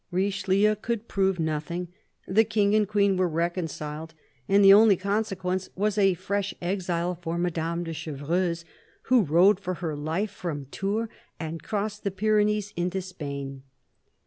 Richelieu could prove nothing ; the King and Queen were reconciled ; and the only consequence was a fresh exile for Madame de Chevreuse, who rode for her life from Tours and crossed the Pyrenees into Spain.